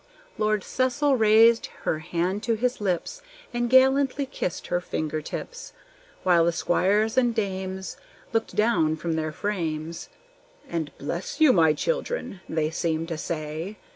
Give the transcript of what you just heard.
Lord Cecil raised her hand to his lips, And gallantly kissed her finger tips; While the squires and dames Looked down from their frames, And "Bless you, my children!" they seemed to say.